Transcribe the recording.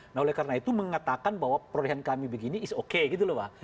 nah oleh karena itu mengatakan bahwa perolehan kami begini is okay gitu loh pak